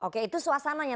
oke itu suasananya